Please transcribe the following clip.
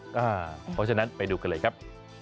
เพราะฉะนั้นไปดูกันเลยครับ